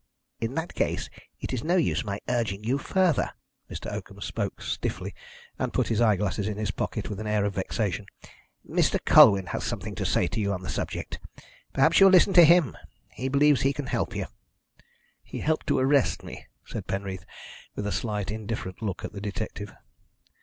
"In that case it is no use my urging you further." Mr. Oakham spoke stiffly, and put his eye glasses in his pocket with an air of vexation. "Mr. Colwyn has something to say to you on the subject. Perhaps you will listen to him. He believes he can help you." "He helped to arrest me," said Penreath, with a slight indifferent look at the detective.